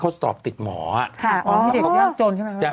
อ๋อเป็นเด็กยากจนใช่ไหมครับ